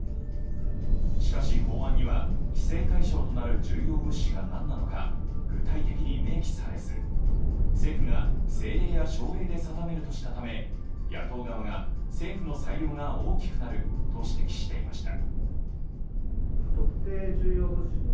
しかし、法案には規制対象となる重要物資が何なのか具体的に明記されず政府が政令や省令で定めるとしたため野党側が政府の裁量が大きくなると指摘していました。